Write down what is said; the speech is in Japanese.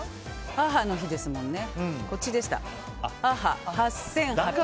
母の日ですもんね。